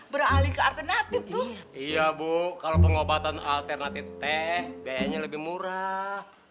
beralih ke alternatif iya bu kalau pengobatan alternatif teh biayanya lebih murah